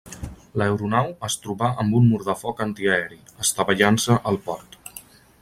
L'aeronau es trobà amb un mur de foc antiaeri, estavellant-se al port.